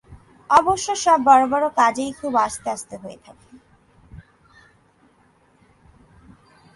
অবশ্য সব বড় বড় কাজই খুব আস্তে আস্তে হয়ে থাকে।